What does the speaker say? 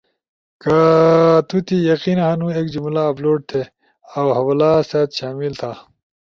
کہ تو تی یقین ہنو ایک جملہ اپلوڈ تھی، اؤ حوالہ سأت شامل تھا۔